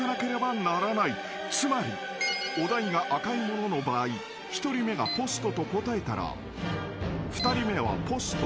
［つまりお題が赤いものの場合１人目がポストと答えたら２人目はポスト。